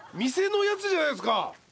店のやつじゃないですか！